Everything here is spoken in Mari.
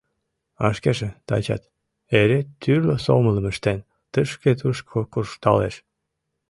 А шкеже тачат, эре тӱрлӧ сомылым ыштен, тышке-тушко куржталеш.